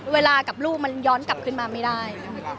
เวลากับลูกมันย้อนกลับขึ้นมาไม่ได้